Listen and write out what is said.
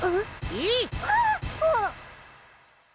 えっ！？